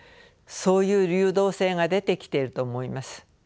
そういう流動性が出てきていると思います。